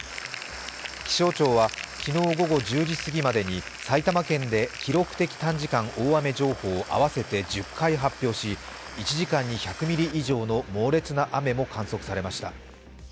気象庁は昨日午後１０時過ぎまでに埼玉県で記録的短時間大雨情報を合わせて１０回発表し、１時間に１００ミリ以上の猛烈な雨も観測されました。